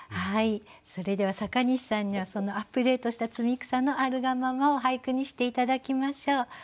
はいそれでは阪西さんにはそのアップデートした「摘草」のあるがままを俳句にして頂きましょう。